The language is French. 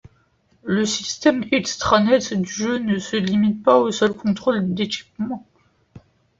Le système extranet du jeu ne se limite pas au seul contrôle d'équipements.